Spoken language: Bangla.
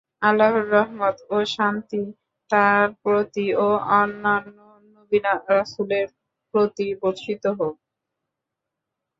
আল্লাহর রহমত ও শান্তি তাঁর প্রতি ও অন্যান্য নবী-রাসূলের প্রতি বর্ষিত হোক!